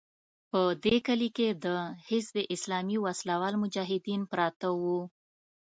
په دې کلي کې د حزب اسلامي وسله وال مجاهدین پراته وو.